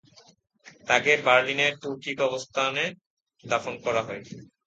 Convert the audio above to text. তাকে বার্লিনের তুর্কি কবরস্থানে দাফন করা হয়।